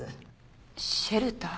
シェルター？